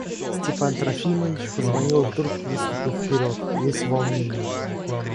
Степан Трофимович позвонил и вдруг выступил вперед, весь в волнении.